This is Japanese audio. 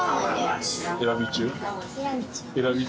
選び中？